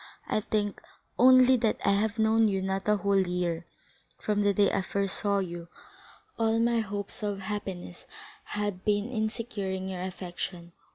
I think only that I have known you not a whole year. From the day I first saw you, all my hopes of happiness have been in securing your affection.